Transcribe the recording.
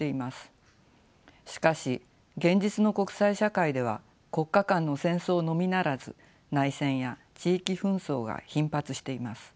しかし現実の国際社会では国家間の戦争のみならず内戦や地域紛争が頻発しています。